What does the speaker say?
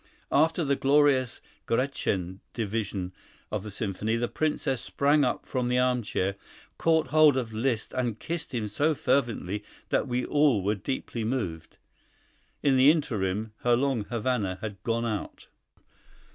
After the glorious 'Gretchen' division of the symphony, the Princess sprang up from the armchair, caught hold of Liszt and kissed him so fervently that we all were deeply moved. [In the interim her long Havana had gone out.